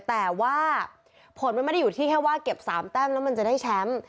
แต่ว่าผลมันไม่ได้อยู่ที่แค่ว่าเก็บ๓แต้มแล้วมันจะได้แชมป์